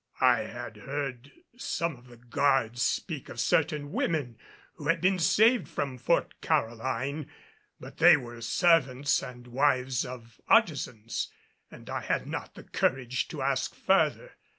I had heard some of the guards speak of certain women who had been saved from Fort Caroline, but they were servants and wives of artisans, and I had not the courage to ask further.